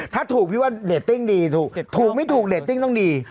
ถ้าถูกพี่ว่าเรตติ้งดีถูกไม่ถูกเรตติ้งต้องดี